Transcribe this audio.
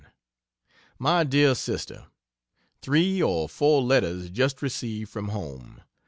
MY DEAR SISTER, Three or four letters just received from home.